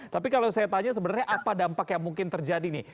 tapi kalau saya tanya sebenarnya apa dampak yang mungkin terjadi nih